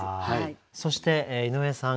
そして井上さん